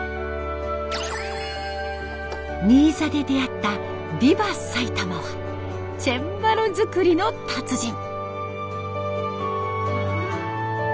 新座で出会った「ビバ！埼玉」はチェンバロ作りの達人。